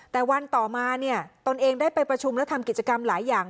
แต่วันต่อมาเนี่ยตนเองได้ไปประชุมและทำกิจกรรมหลายอย่าง